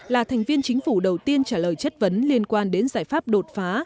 là thành viên chính phủ đầu tiên trả lời chất vấn liên quan đến giải pháp đột phá